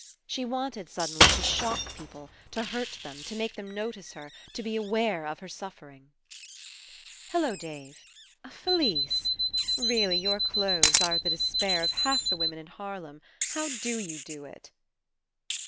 She wanted, suddenly, to shock people, to hurt them, to make them notice her, to be aware of her suffering. ''Hello, Dave. ... Felise. ... Really your clothes are the despair of half the women in Harlem. ... How do you do it?